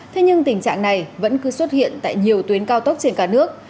thế nhưng tình trạng này vẫn cứ xuất hiện tại nhiều tuyến cao tốc trên cả nước